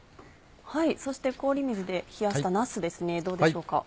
そして氷水で冷やしたなすですねどうでしょうか。